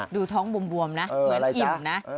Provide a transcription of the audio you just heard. ดูท้องบวมนะเหมือนอิ่มนะ